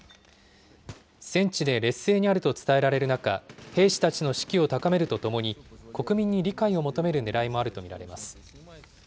戦地で劣勢にあると伝えられる中、兵士たちの士気を高めるとともに、国民に理解を求めるねらいもあると見られます。